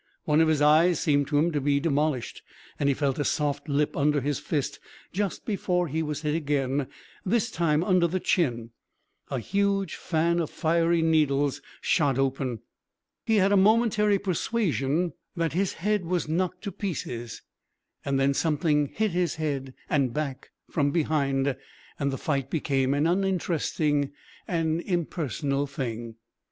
One of his eyes seemed to him to be demolished, and he felt a soft lip under his fist just before he was hit again this time under the chin. A huge fan of fiery needles shot open. He had a momentary persuasion that his head was knocked to pieces, and then something hit his head and back from behind, and the fight became an uninteresting, an impersonal thing.